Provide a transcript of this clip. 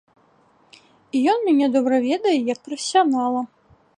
І ён мяне добра ведае як прафесіянала.